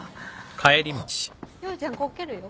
陽ちゃんこけるよ。